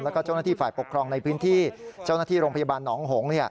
แล้วก็เจ้าหน้าที่ฝ่ายปกครองในพื้นที่เจ้าหน้าที่โรงพยาบาลหนองหง